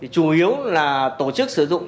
chủ yếu là tổ chức sử dụng